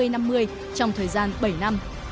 trong thời gian bảy năm